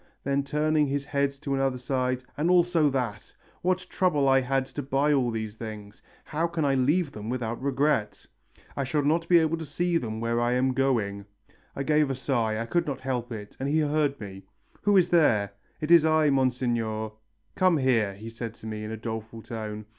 Then turning his head to another side 'and also that! What trouble I had to buy all these things. How can I leave them without regret? I shall not be able to see them where I am going.' I gave a sigh, I could not help it, and he heard me. 'Who is there?' 'It is I, Monseigneur ' 'Come here,' he said to me in a doleful tone.